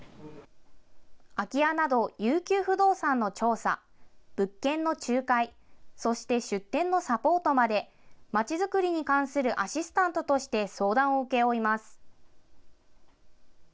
空き家など遊休不動産の調査、物件の仲介、そして出店のサポートまで、街づくりに関するアシスタントとして相談を請け負います。